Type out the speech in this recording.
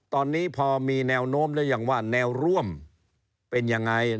ตอนนี้พอมีแนวโน้มหรือยังว่าแนวร่วมเป็นยังไง